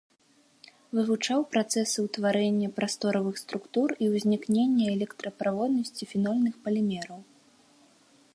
Вывучаў працэсы ўтварэння прасторавых структур і ўзнікнення электраправоднасці фенольных палімераў.